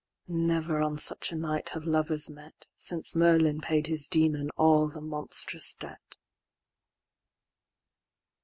Never on such a night have lovers met, Since Merlin paid his Demon all the monstrous debt.